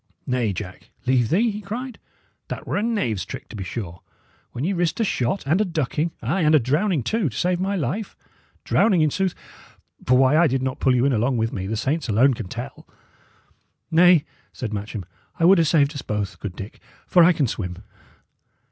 "Nay, Jack, leave thee!" he cried. "That were a knave's trick, to be sure, when ye risked a shot and a ducking, ay, and a drowning too, to save my life. Drowning, in sooth; for why I did not pull you in along with me, the saints alone can tell!" "Nay," said Matcham, "I would 'a' saved us both, good Dick, for I can swim."